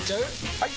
・はい！